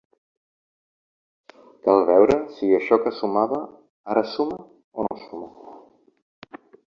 Cal veure si això que sumava, ara suma o no suma.